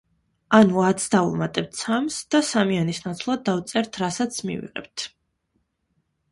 ანუ ათს დავუმატებთ სამს და სამიანის ნაცვლად დავწერთ რასაც მივიღებთ.